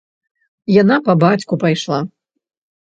Яна па бацьку пайшла.